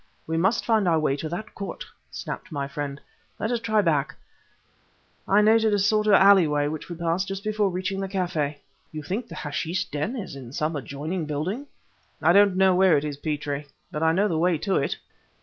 "We must find our way to that court!" snapped my friend. "Let us try back, I noted a sort of alley way which we passed just before reaching the café." "You think the hashish den is in some adjoining building?" "I don't know where it is, Petrie, but I know the way to it!"